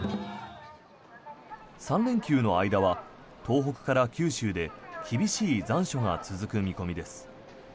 ３連休の間は東北から九州で厳しい残暑が続く見込みです。